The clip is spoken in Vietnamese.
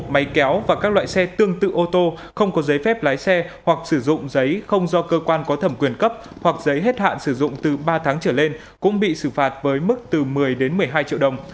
máy kéo và các loại xe tương tự ô tô không có giấy phép lái xe hoặc sử dụng giấy không do cơ quan có thẩm quyền cấp hoặc giấy hết hạn sử dụng từ ba tháng trở lên cũng bị xử phạt với mức từ một mươi đến một mươi hai triệu đồng